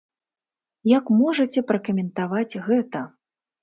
Як можаце пракаментаваць гэта?